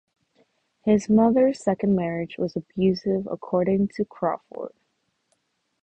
His mother's second marriage was abusive, according to Crawford.